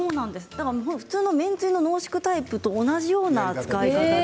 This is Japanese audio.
普通の麺つゆの濃縮タイプと同じような使い方で。